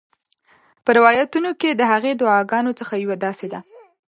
په روایتونو کې د هغې د دعاګانو څخه یوه داسي ده: